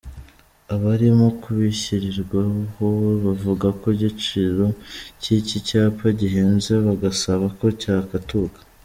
Abarimo kubishyirirwaho bavuga ko igiciro cy’icyi cyapa gihenze bagasaba ko cyakatuka.